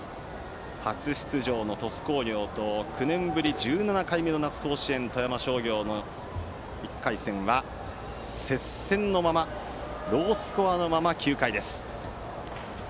初出場の鳥栖工業と９年ぶり１７回目の夏の甲子園富山商業の１回戦は接戦のまま、ロースコアのまま９回です。